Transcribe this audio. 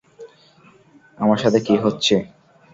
আমার সাথে কি হচ্ছে?